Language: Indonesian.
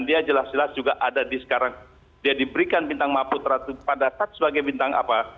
dia jelas jelas juga ada di sekarang dia diberikan bintang maputra pada saat sebagai bintang apa